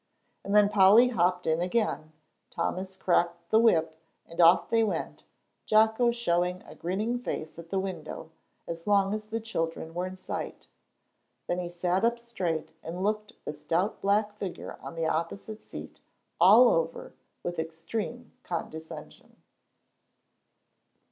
And then Polly hopped in again, Thomas cracked the whip, and off they went, Jocko showing a grinning face at the window, as long as the children were in sight. Then he sat up straight and looked the stout black figure on the opposite seat all over with extreme condescension.